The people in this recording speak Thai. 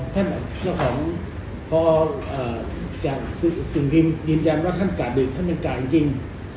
ท่านเจ้าของพอเอ่อจากสิ่งที่ยืนยังว่าท่านกะดึกท่านเป็นกะจริงจริง